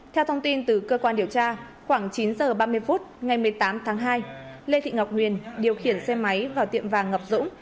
theo thông tin từ cơ quan điều tra khoảng chín h ba mươi phút ngày một mươi tám tháng hai lê thị ngọc huyền điều khiển xe máy vào tiệm vàng ngọc dũng